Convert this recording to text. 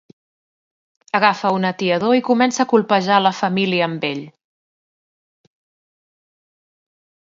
Agafa un atiador i comença a colpejar la família amb ell.